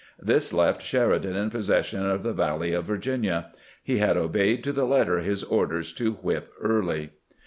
This left Sheri dan in possession of the valley of Virginia. He had obeyed to the letter his orders to whip Early.